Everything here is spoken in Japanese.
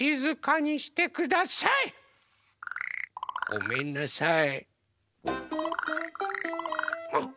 ごめんなさい。